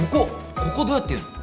ここどうやって言うの？